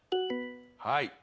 はい。